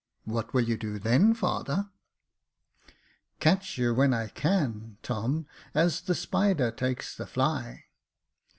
What will you do then, father ?"*' Catch you when I can, Tom, as the spider takes the fly."